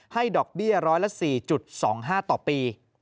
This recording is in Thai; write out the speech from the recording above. ให้ดอกเบี้ย๑๐๔๒๕ต่อปี